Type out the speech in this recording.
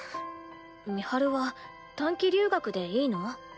美晴は短期留学でいいの？